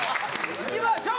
いきましょう。